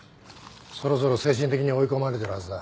そろそろ精神的に追い込まれてるはずだ。